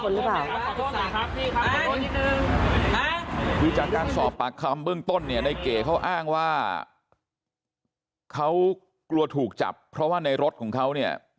คือจากการสอบปากคำเบื้องต้นเนี่ยในเก๋เขาอ้างว่าเขากลัวถูกจับเพราะว่าในรถของเขาเนี่ย